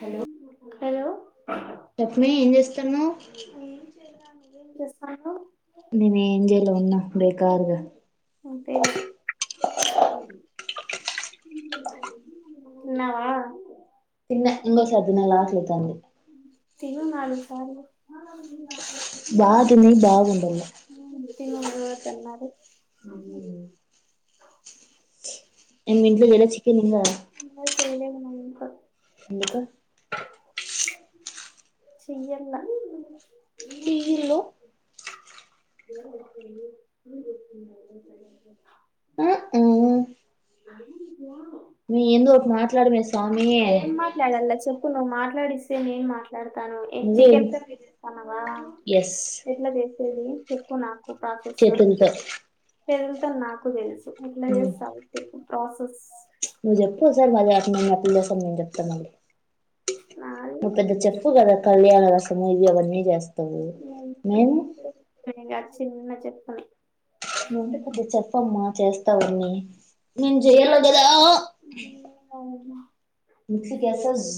Hello Lakshmi ఏం జేస్తున్నవ్ నేనేంజయల ఉన్నప్పుడే కారుగా అంతే తిన్నవా తిన్నా ఇంగోసారి తినాలనిపిత్తాంది. తిను నాలుగుసార్లు బా తిని బాగుండల్లా తిను [unintelligible] న్నారు మ్ ఇంగింట్ల లేదా చికెన్ తిన్నావా ఇంకా చెయ్యల్న ఇ ఇల్లు జెయమొచ్చింది నీ ఒచ్చింది అ హుమ్ మీ ఏందోటి మాట్లాడమే సి ఏం మాట్లాడల్ల చెప్పు నువు మాట్లాడిస్తే నేన్ మాట్ల ట్లాత్తాను ఎగ్ చికెన్ కర్రీ చేత్తన్నవా ఎట్లా చేస్తుర్రు చెప్పు నాకు చేతుల్తో చేతుల్తో అని నాకూ తెలుసు ఎట్ల చేస్తావ్ చెప్పు ప్రాసెస్ మళ్ళోసారి నే చెప్తమల్లి నువ్వు పెద్ద చెప్పు కదా కళ్యాణ రసము ఇవి అన్ని చేస్తము మేము ఏమన్నా చెప్పా నువ్వంటే కొంచెం చెప్పమ్మా చేస్తారు నేను జెయ్యను గదా మిక్సీకేస్తే ఉజ్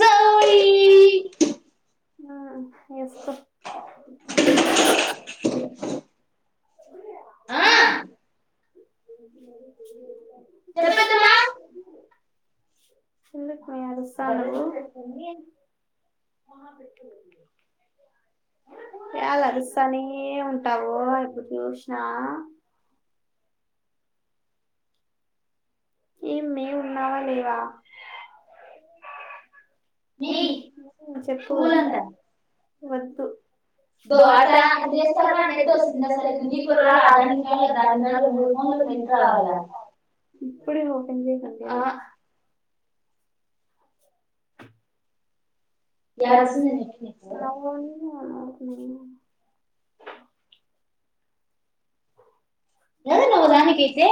సై ఆ ఏస్కో ఆ చెప్పత్తమ్మా తరుక్కోని యాల్ల అరుస్సానే ఉంటావు ఎప్పుడు చూసినా ఏమ్మె ఉన్నావా లేవా మ్మెయ్ పూలంట దో అటా అటు నెట్సర్ల నెట్టోస్సుందా సరిగా నీకూడా రాదా నెట్రావాలా ఇప్పుడే ఓపెన్ చేస్నాంతే యాడ సినిమాలు నేన లెవ్వన్నావ దానికీస్తే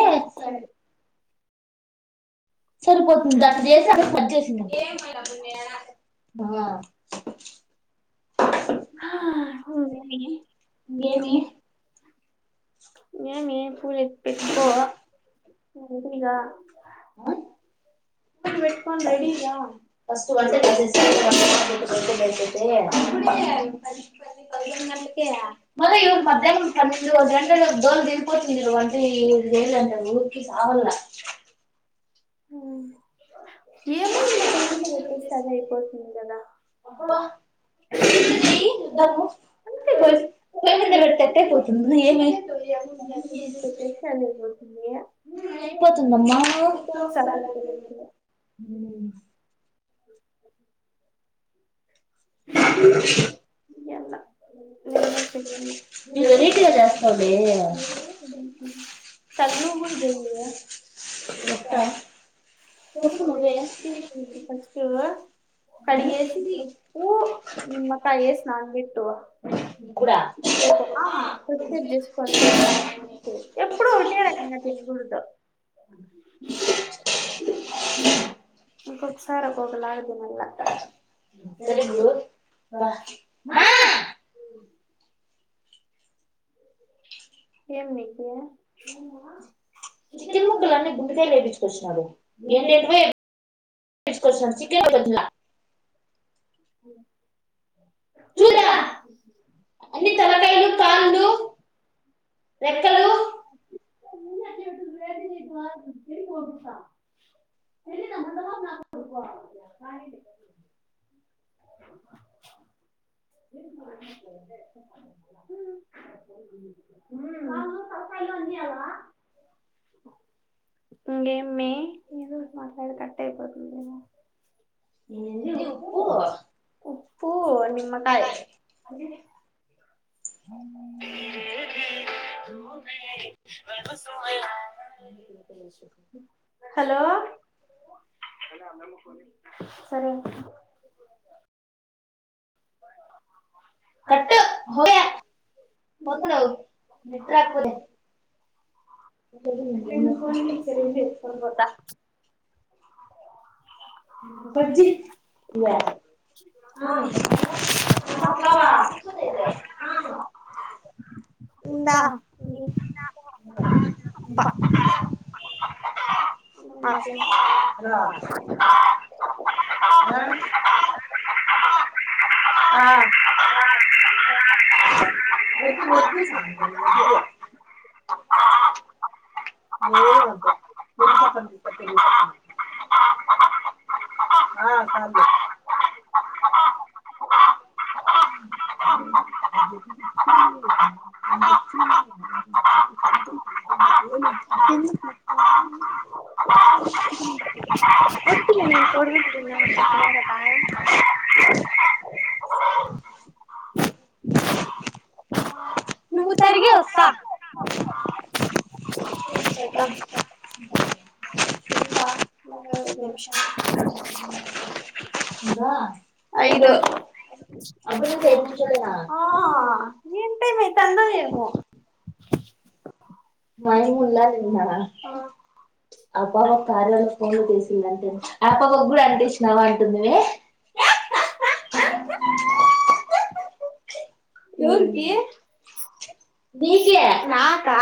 సరిపోతుంది దట్ చేసి అక్కడ కట్ చేసిందంట ఉహు హా నేనే మేయ్యాన్ ఏమేపూల్ ఎత్తి పెట్టుకో ఉంటిగా పూలు పెట్కోని రెడీ గాపో ఫస్ట్ వంటే చేసేసి ఇంకా బైటికెల్పోతే మళ్ళీ పదకొం మళ్ళ ఈరోజు మధ్యన్నం పన్నెండోంటి గంట్ల లో దోల్ తీర్పోతుంది వంట జే ఇల్లంతా ఊరకి సావల్ల హు ఏముంది ఇలా పొయ్యిమీద పెట్టేస్తే అదే అయిపోతుంది కదా. అయిపోయింది ఇద్దర్నా ఫేస్ చెయ్మింద పెడ్తే ఎత్తైపోతుంది ఏం ఎమ్యూజని యేసేస్తి. హు అయిపోతుందమ్మా ఒక్కసారి మ్ ఏందో లేశి కళ్ళు గుంజయ ట్ట ఫస్టు కడిగేసి ఊ నిమ్మకాయేస్ నాన్ పెట్టు [inaudible] ఎప్పుడు ఒకటే రకంగా తిరుగుళ్ళతో ఒకొక్కసారి ఒకొక్కలాగ తినాలా సరే గ్రు వా ఉమ్ ఏం నీకు చికెన్ ముక్కలున్నీ గుండెకాయల్ ఏపీచ్చుకొచ్చినారు ఏంటేటివో [unintelligible] మ్ చుద్దురా అన్ని తలకాయలు కాళ్ళు రెక్కలు వేడి నీళ్ళు వాస్ పోస్తా [inaudible] తెలీదా ముండమోపి నాకొడుకు ఊమ్ పాము తల్కాయ్లు అన్యావ ఇంగేమ్ మే ద మాట్లాడదు కట్టాయిపోతుంది గదా ఇన్నన్ని ఉప్పు ఉప్పు నిమ్మకాయ్ హలో శని అమ్మమ్మకి ఫోనియ్ సరే అంకుల్ కట్టు హోగయా పోతుంది గ నిద్ర వత్తాలె ఇంగో కట్చెయ్ ల [inaudible] అ ఇంద ద మాకు [inaudible] ఆ ఆ వద్దు వద్దు సామి ఇది వొద్దు ఇయ్యేమ్ వొద్దు [inaudible] [inaudible] [inaudible] [unintelligible] ఐదు మై ఉళ్లా ఉన్నదా అ ఆపరకర్యాల ఫోన్ తీసి అంటే ఆపోగ్గుడా అంటేసినవా అంటుందిమే దేనికి నీకే నాకా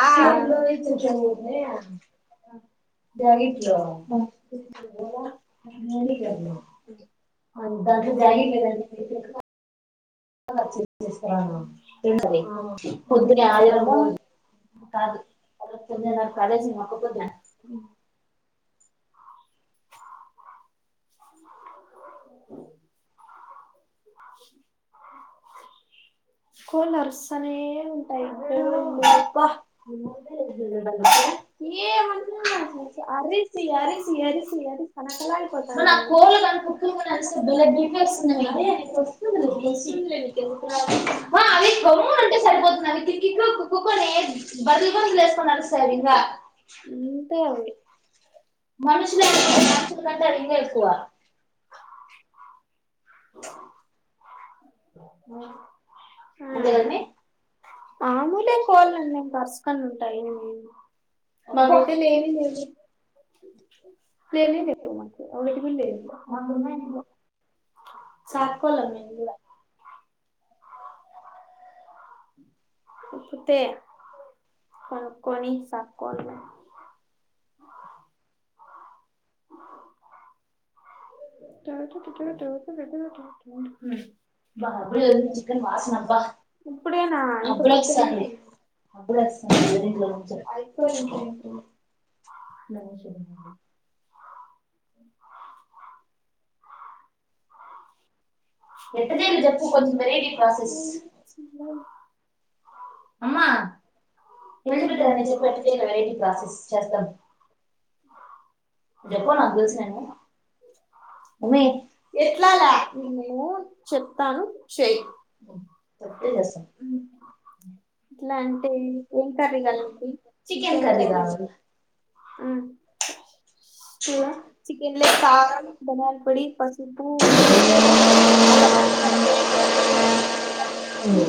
జరిక్యా [unintelligible] దాన్ని జాగింగ్ రా అనేది [unintelligible] వచ్చింది తీస్కరామ్మ [unintelligible] పొద్దుగ్యాదివారము. కాదు పొద్దునే కాలేజీ మోకపోతుండే కోళ్లు అరుసనే ఉంటాయి [unintelligible] ప్ప ని అరిసి అరిచి అరిచి అరి కనకలాఐపోతరు [unintelligible] [inaudible] ఉన్నాయ్ కొమ్ము అంటే సరిపోతున్నా కికిక్కు కుక్కుకు అని ఎడ్ బర్రేగొంతులు వేసుకొని అరుస్తాడు ఇంకా. చు తె అవి మనుషు లేకపోతే మనుషులు కంటె అదే ఇంకా ఎక్కువ. అంతే కాదేమ్మె ఆమూలే కోళ్లున్నాయి పసుకలుంటాయి. మకైతే లేనే లేవు. లేనే లేవు మాకి ఓ వెలుగుళ్ళు లేవు మాకు ఉన్నాయ్ ఎక్కువ సాత్కోల్ల మిందిర తే కొనుక్కొని సక్కోల్ల ట టు ట టు టా టు టు ట టా అప్పుడ చికెన్ వాసనబ్బ అప్పుడె వస్తాంది. అప్పుడు వస్తుంది కిందన ఇంట్లో నుంచి అయిపోయిందేమో. ఇంట్లో నుంచి ఎట్ట చేయాలనో చెప్పు కొంచం వేరైటీ ప్రసెస్? అమ్మా ఎందు పెట్టారని చెప్పటి వెరైటీ ప్రాసెస్ చేద్దాం. ఎప్పొ మాక్ తెల్సు గాని ఎట్లా ల నేను చెప్తాను చెయి అంతేగా ఇట్లా అంటే ఎం కర్రీ కావాలా నీకు? చికెన్ కర్రీ ఆ చికెన్ల చికెన్ లోకి కారం, ధనియలపొడి, పసుపు, అల్లం [unintelligible] ఉ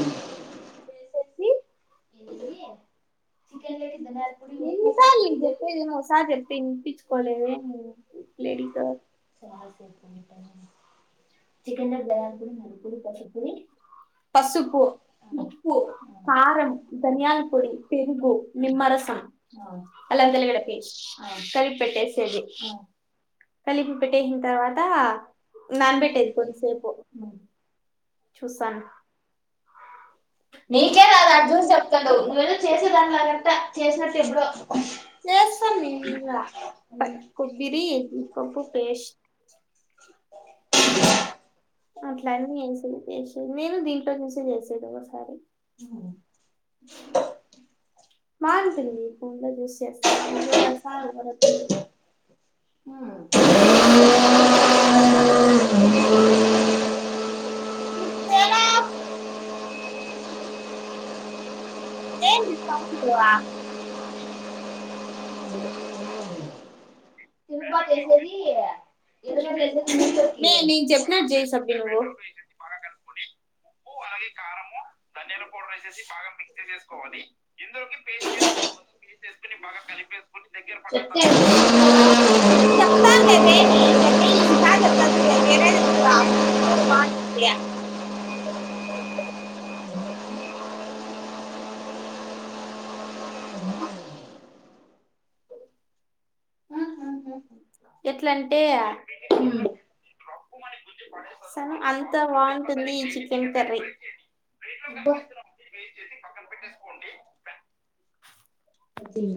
తోగ్గి ఒకసారి చెప్తే వినిపిచ్ కోలేదె లేడీగల్ చికెన్ లోకి [unintelligible] పసుపు పొడి పసుపు, ఉప్పు, కారం, ధనియాల పొడి, పెరుగు, నిమ్మరసం అల్లం తెల్లగడ్డ పేస్ట్ కలిపేట్టేసేయ్ తెది కలిపి పెట్టేసిన తర్వాత నానబెట్టేయ్. కొద్దిసేపు చూసాను నీకే రాదు అడ్ చూసి చెప్తాన్నావు నువ్వేదో చేసే గంత చేసినట్టు ఎప్పుడో కి పప్పు పెస్ట్ అట్లన్న వెసేది చేసేది నేను దీంట్లో నుంచి చేసేది ఒక్కోసారి ఉమ్ మాడుతుంది పొంగల్ యూస్ చేస్తారా లేదా [unintelligible] షట్అప్ అవున్ కు అ [unintelligible] మె నేను జేప్పినట్టు జేయ్ సబ్బి నువ్వు ఉప్పు అలాగే కారము, ధనియల పౌడరెసెసి బాగా మిక్సీ చేసుకోవాలి. ఇందులోకి పేస్ట్ వేసుకొని పేస్టెస్కోని బాగా కలిపెస్కోని దగ్గర్ పడ్డాక చెప్పతాను లేవే అయితే ఇ సార్ చెప్తారుచూడు [unintelligible] ఎట్లాంటే అ ఉమ్ సరే అంతా బాఉంటుంది ఈ చికెన్ కర్రీ [unintelligible] అద్ది